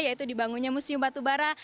yaitu dibangunnya museum batubara